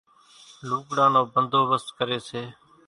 لُوڳڙان نو ڀنڌوڀست ڪريَ سي۔